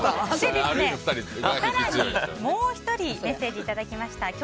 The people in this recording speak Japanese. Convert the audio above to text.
更にもう１人メッセージいただきました。